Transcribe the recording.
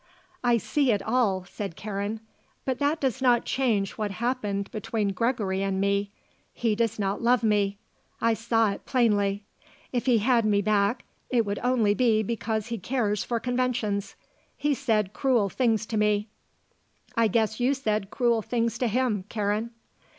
"I see it all," said Karen. "But that does not change what happened between Gregory and me. He does not love me. I saw it plainly. If he had me back it would only be because he cares for conventions. He said cruel things to me." "I guess you said cruel things to him, Karen."